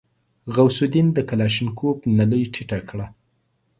غوث الدين د کلاشينکوف نلۍ ټيټه کړه.